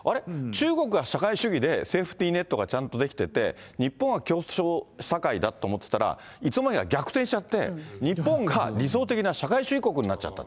中国は社会主義でセーフティーネットがちゃんと出来てて、日本は競争社会だと思ってたら、いつの間にか逆転しちゃって、日本が理想的な社会主義国になっちゃった。